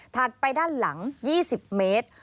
ไปด้านหลัง๒๐เมตร